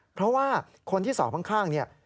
เพราะว่าคนที่สอบข้างเนี่ย